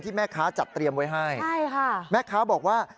ที่แม่ค้าจัดเตรียมไว้ให้แม่ค้าบอกว่า